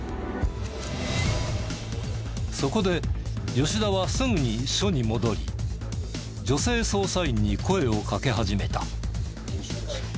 そこで吉田はすぐに署に戻り女性捜査員に声をかけ始めた。